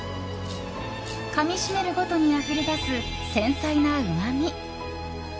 かみ締めるごとにあふれ出す繊細なうまみ。